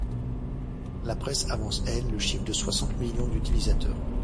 La presse avance elle le chiffre de soixante millions d'utilisateurs.